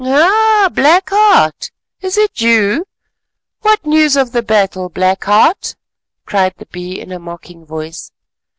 "Ah! Black Heart, is it you? What news of the battle, Black Heart?" cried the Bee in a mocking voice.